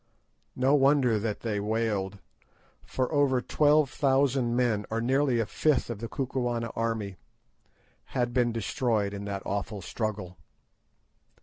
No wonder that they wailed, for over twelve thousand men, or nearly a fifth of the Kukuana army, had been destroyed in that awful struggle.